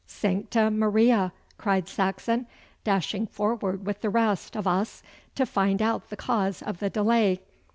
'Sancta Maria!' cried Saxon, dashing forward with the rest of us to find out the cause of the delay.